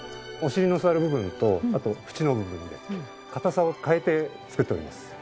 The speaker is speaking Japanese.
お尻の座る部分とあとふちの部分で硬さを変えて作っております。